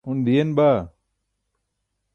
un diyen baa